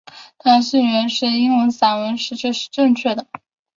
当信源是英文散文时这是正确的。